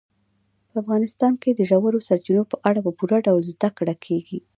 په افغانستان کې د ژورو سرچینو په اړه په پوره ډول زده کړه کېږي.